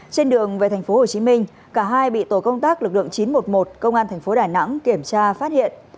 trên đường về tp hcm cả hai bị tổ công tác lực lượng chín trăm một mươi một công an tp đà nẵng kiểm tra phát hiện